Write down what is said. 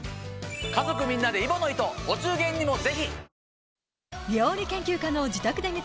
家族みんなで揖保乃糸お中元にもぜひ！